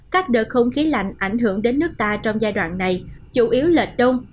các đợt không khí lạnh ảnh hưởng đến nước ta trong giai đoạn này chủ yếu lệch đông